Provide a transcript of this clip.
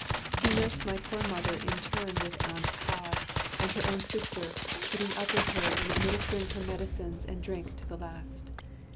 He nursed my poor mother in turn with Aunt Carr, and her own sister sitting up with her and administering her medicines and drink to the last.